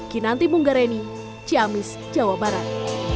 kinanti bung gareni jamis jawa barat